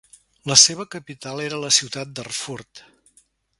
La seva capital era la ciutat d'Erfurt.